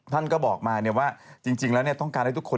ท่านก็บอกมาว่าจริงแล้วต้องการให้ทุกคน